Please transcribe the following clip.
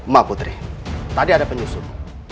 mbak putri tadi ada penyusup